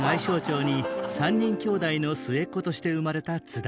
３人きょうだいの末っ子として生まれた津田